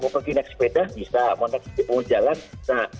mau pergi naik sepeda bisa mau naik sepeda mau jalan bisa